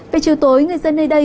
về chiều tối người dân nơi đây